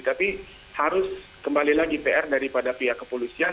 tapi harus kembali lagi pr daripada pihak kepolisian